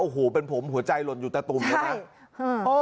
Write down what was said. โอ้โหเป็นผมหัวใจหล่นอยู่ตะตุ่มแล้วนะ